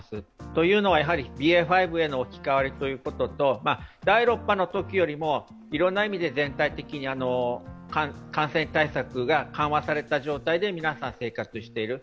というのは、ＢＡ．５への置き換わりということと、第６波のときよりもいろいろな意味で全体的に感染対策が緩和された状態で皆さん、生活している。